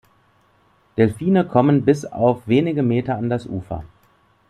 Delfine kommen bis auf wenige Meter an das Ufer.